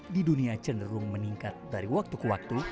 di dunia cenderung meningkat dari waktu ke waktu